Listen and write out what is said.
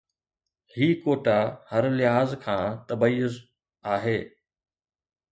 هي ڪوٽا هر لحاظ کان تبعيض آهي.